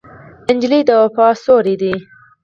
نجلۍ د وفا سیوری ده.